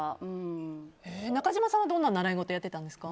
中島さんはどんな習い事をやっていたんですか。